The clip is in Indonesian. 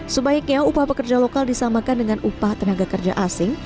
sebaiknya upah pekerja lokal disamakan dengan upah tenaga kerja asing